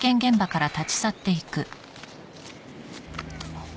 あっ。